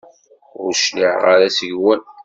Ur cliɛeɣ ara seg-wen.